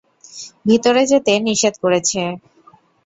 ভিতরে যেতে নিষেধ করেছে।